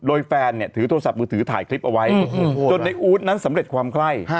โดยแฟนเนี่ยถือโทรศัพท์มือถือถ่ายคลิปเอาไว้จนในอู๊ดนั้นสำเร็จความไข้